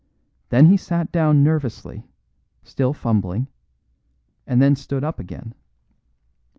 Then he sat down nervously, still fumbling, and then stood up again.